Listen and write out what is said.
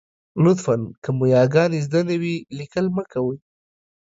لطفاً! که مو یاګانې زده نه وي، لیکل مه کوئ.